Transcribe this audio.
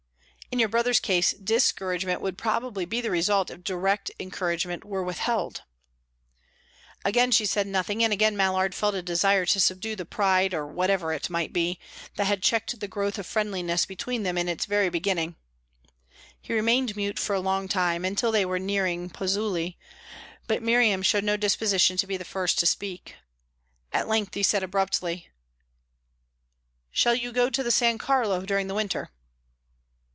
"In your brother's case, discouragement would probably be the result if direct encouragement were withheld." Again she said nothing, and again Mallard felt a desire to subdue the pride, or whatever it might be, that had checked the growth of friendliness between them in its very beginning. He remained mute for a long time, until they were nearing Pozzuoli, but Miriam showed no disposition to be the first to speak. At length he said abruptly: "Shall you go to the San Carlo during the winter?"